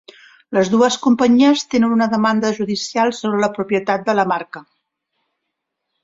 Les dues companyies tenen una demanda judicial sobre la propietat de la marca.